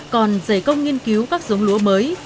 còn dày công nghiên cứu các giống lúa mới